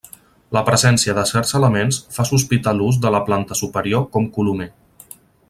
La presència de certs elements fa sospitar l'ús de la planta superior com colomer.